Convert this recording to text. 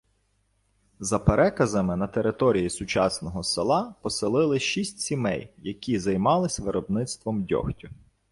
За переказами на території сучасного села поселилось шість сімей, які займались виробництвом дьогтю.